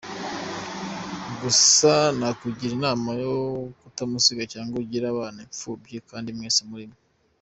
Gusa nakugirinama yo kutamusiga cg ugire abana iphubyi kandi mwese muriho.